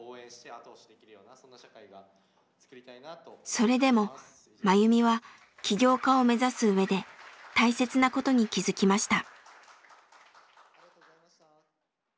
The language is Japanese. それでもマユミは企業家を目指すうえで大切なことに気付きました。